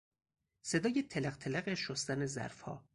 صدای تلق تلق شستن ظرفها